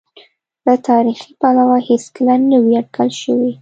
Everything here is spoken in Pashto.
له تاریخي پلوه هېڅکله نه وې اټکل شوې.